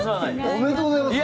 おめでとうございます。